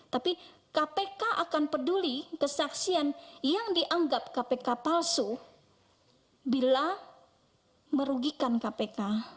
tapi kpk akan peduli kesaksian yang dianggap kpk palsu bila merugikan kpk